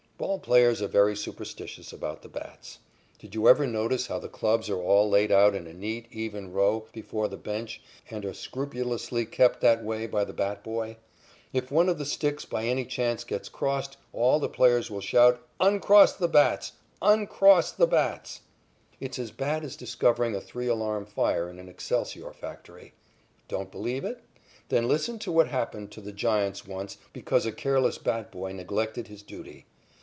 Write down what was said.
Ball players are very superstitious about the bats. Did you ever notice how the clubs are all laid out in a neat, even row before the bench and are scrupulously kept that way by the bat boy? If one of the sticks by any chance gets crossed, all the players will shout: "Uncross the bats! Uncross the bats!" It's as bad as discovering a three alarm fire in an excelsior factory. Don't believe it? Then listen to what happened to the Giants once because a careless bat boy neglected his duty.